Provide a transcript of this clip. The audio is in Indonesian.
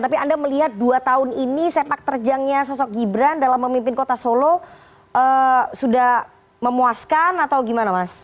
tapi anda melihat dua tahun ini sepak terjangnya sosok gibran dalam memimpin kota solo sudah memuaskan atau gimana mas